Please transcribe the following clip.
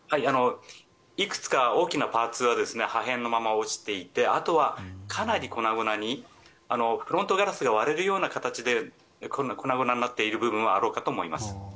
いくつか大きなパーツは破片のまま落ちていて、あとはかなり粉々にフロントガラスが割れるような形で粉々になっている部分はあろうかと思います。